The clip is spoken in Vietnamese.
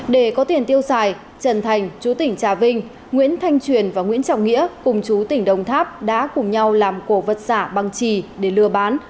để có tiền tiêu xài trần thành chú tỉnh trà vinh nguyễn thanh truyền và nguyễn trọng nghĩa cùng chú tỉnh đồng tháp đã cùng nhau làm cổ vật giả bằng trì để lừa bán